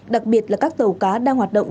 đặc biệt là các tàu cá đang hoạt động